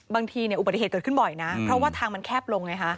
บางทีอุบัติเหตุเกิดขึ้นบ่อยนะเพราะว่าทางมันแคบลงไงฮะ